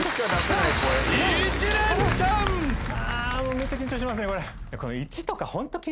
めっちゃ緊張しますねこれ。